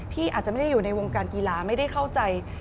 ที่อาจจะไม่ได้อยู่ในวงการกีฬาไม่ได้เข้าใจ